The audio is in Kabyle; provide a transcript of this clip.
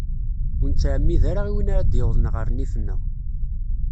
Ur nettɛemmid ara i win ara ad d-yawḍen ɣer nnif-nneɣ.